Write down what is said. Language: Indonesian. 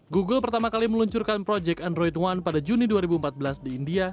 google pertama kali meluncurkan proyek android one pada juni dua ribu empat belas di india